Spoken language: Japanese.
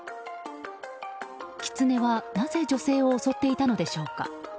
キツネは、なぜ女性を襲っていたのでしょうか。